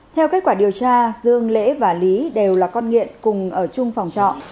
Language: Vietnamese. theo kết quả điều tra dương lễ và lý đều là con nghiện cùng ở chung phòng trọ